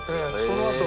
そのあと。